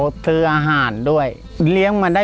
ขอเพียงคุณสามารถที่จะเอ่ยเอื้อนนะครับ